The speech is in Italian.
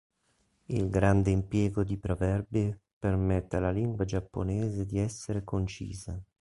Il grande impiego di proverbi permette alla lingua giapponese di essere concisa.